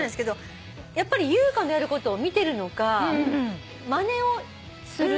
やっぱり優香のやることを見てるのかまねをする。